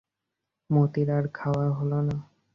মতির আর খাওয়া হইল না।